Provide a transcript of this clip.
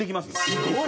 すごい！